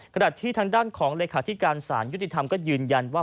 ขณะที่ทางด้านของเลขาธิการสารยุติธรรมก็ยืนยันว่า